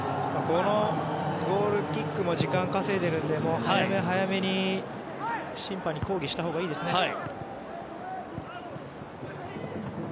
このゴールキックも時間を稼いでいるので早め早めに、審判に抗議したほうがいいですね。